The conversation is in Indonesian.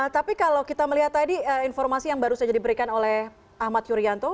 tapi kalau kita melihat tadi informasi yang baru saja diberikan oleh ahmad yuryanto